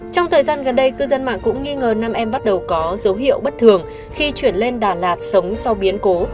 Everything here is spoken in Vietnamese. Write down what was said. trong thời gian gần đây cư dân mạng cũng nghi ngờ nam em bắt đầu có dấu hiệu bất thường khi chuyển lên đà lạt sống sau biến cố